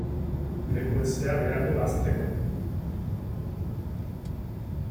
Leku hezea behar du hazteko.